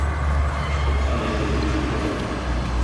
Туксан яшькә килеп җиткәнне!